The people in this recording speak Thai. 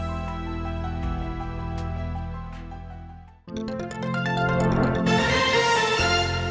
โปรดติดตามตอนต่อไป